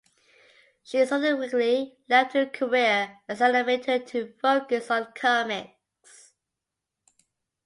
She subsequently left her career as an animator to focus on comics.